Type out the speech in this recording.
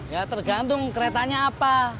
ya tergantung keretanya apa